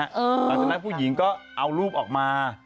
ตอนนั้นผู้หญิงก็เอารูปออกมา